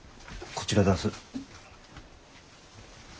こちらだす。